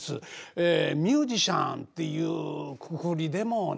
えミュージシャンっていうくくりでもない。